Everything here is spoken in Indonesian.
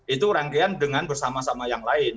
itu rangkaian dengan bersama sama yang lain